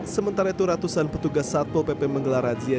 sementara itu ratusan petugas satpo pp menggelar razia